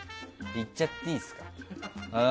いっちゃっていいっすか？